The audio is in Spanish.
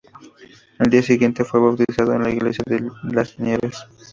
Al día siguiente fue bautizado en la Iglesia de Las Nieves.